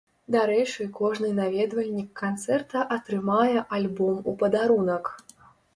Дарэчы, кожны наведвальнік канцэрта атрымае альбом у падарунак.